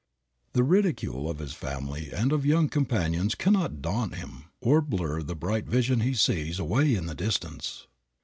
The ridicule of his family and of young companions cannot daunt him or blur the bright vision he sees away in the distance.